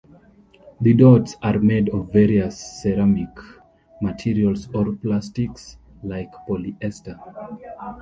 The dots are made of various ceramic materials or plastics like polyester.